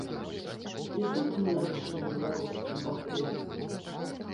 І тут мяч на беларускім баку.